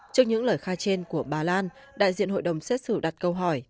trước những lời khai trên của bà lan đại diện hội đồng xét xử đặt câu hỏi